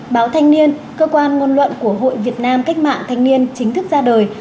báo thanh niên cơ quan ngôn luận của hội việt nam cách mạng thanh niên chính thức ra đời